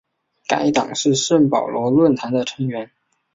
该党是圣保罗论坛的成员。